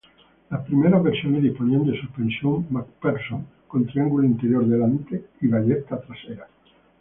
Las primeras versiones disponían de suspensión McPherson con triángulo inferior delante y ballestas traseras.